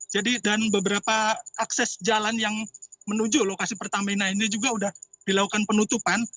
jadi dan beberapa akses jalan yang menuju lokasi pertama ini juga sudah dilakukan penutupan